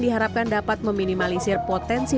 diharapkan dapat meminimalisir potensi